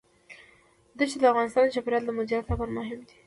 دښتې د افغانستان د چاپیریال د مدیریت لپاره مهم دي.